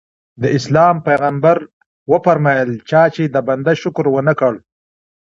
د اسلام پیغمبر وفرمایل چا چې د بنده شکر ونه کړ.